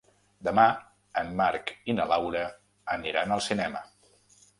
Demà en Marc i na Laura aniran al cinema.